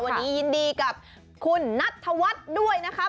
วันนี้ยินดีกับคุณนัทธวัฒน์ด้วยนะคะ